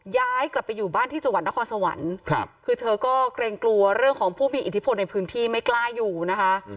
ย้ายกลับไปอยู่บ้านที่จังหวัดนครสวรรค์คือเธอก็เกรงกลัวเรื่องของผู้มีอิทธิพลในพื้นที่ไม่กล้าอยู่นะคะ